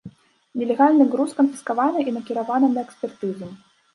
Нелегальны груз канфіскаваны і накіраваны на экспертызу.